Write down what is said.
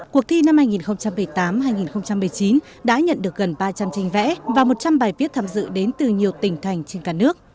cuộc thi năm hai nghìn một mươi tám hai nghìn một mươi chín đã nhận được gần ba trăm linh tranh vẽ và một trăm linh bài viết tham dự đến từ nhiều tỉnh thành trên cả nước